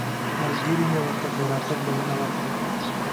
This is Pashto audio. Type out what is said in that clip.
ملګري مې ورته د راتګ بلنه ورکړه.